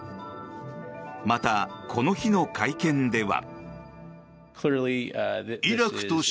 また、この日の会見では。